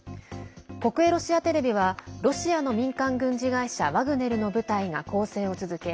国営ロシアテレビはロシアの民間軍事会社ワグネルの部隊が攻勢を続け